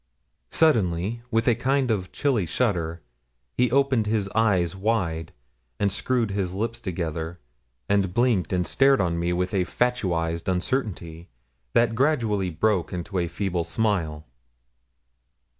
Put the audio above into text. Suddenly, with a kind of chilly shudder, he opened his eyes wide, and screwed his lips together, and blinked and stared on me with a fatuised uncertainty, that gradually broke into a feeble smile.